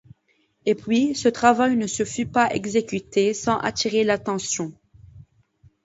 Et puis, ce travail ne se fût pas exécuté sans attirer l’attention...